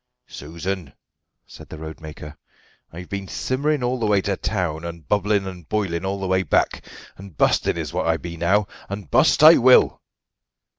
"Susan," said the roadmaker, "I've been simmering all the way to town, and bubbling and boiling all the way back, and busting is what I be now, and bust I will."